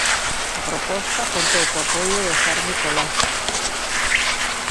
A proposta contou co apoio do Tsar Nicolás.